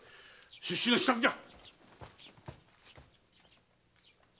出仕の支度じゃ！